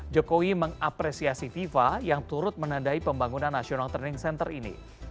jokowi mengapresiasi fifa yang turut menandai pembangunan national training center ini